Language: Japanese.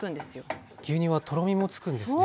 牛乳はとろみもつくんですね。